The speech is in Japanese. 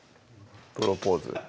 プロポーズ